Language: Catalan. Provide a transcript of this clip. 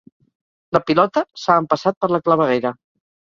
La pilota s'ha empassat per la claveguera.